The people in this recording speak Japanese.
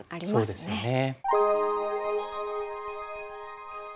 そうですよね。